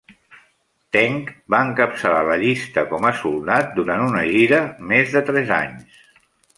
Tench va encapçalar la llista com a soldat durant una gira més de tres anys.